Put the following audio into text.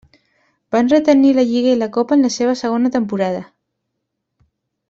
Van retenir la Lliga i la Copa en la seva segona temporada.